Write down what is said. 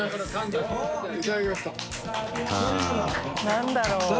何だろう？